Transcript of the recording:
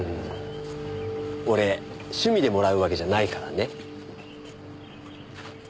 俺趣味でもらうわけじゃないからね。